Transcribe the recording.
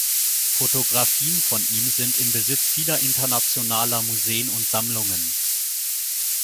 Fotografien von ihm sind im Besitz vieler internationaler Museen und Sammlungen.